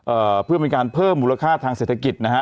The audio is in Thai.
เอ่อเพื่อเป็นการเพิ่มมูลค่าทางเศรษฐกิจนะฮะ